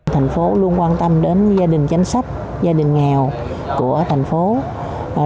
thành phố luôn quan tâm đến gia đình chính sách gia đình nghèo của thành phố